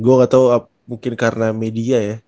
gue gak tau mungkin karena media ya